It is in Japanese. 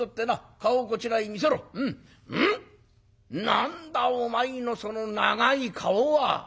何だお前のその長い顔は。